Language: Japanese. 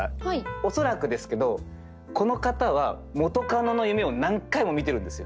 恐らくですけどこの方は元カノの夢を何回も見てるんですよ。